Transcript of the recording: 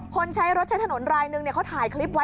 ใช้รถใช้ถนนรายหนึ่งเขาถ่ายคลิปไว้